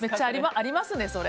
ありますね、それ。